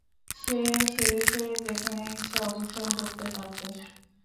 সে সেদেশে যেখানে ইচ্ছা অবস্থান করতে পারত।